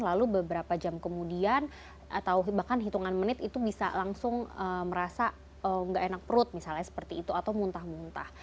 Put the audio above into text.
lalu beberapa jam kemudian atau bahkan hitungan menit itu bisa langsung merasa nggak enak perut misalnya seperti itu atau muntah muntah